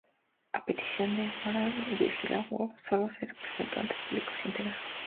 A petición de Edward Albee, "Virginia Woolf" solo se representó ante públicos integrados.